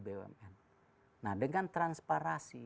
bumn nah dengan transparasi